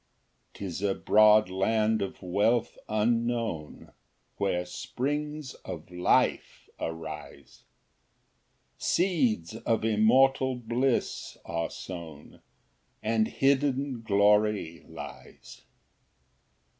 3 'Tis a broad land of wealth unknown Where springs of life arise, Seeds of immortal bliss are sown, And hidden glory lies.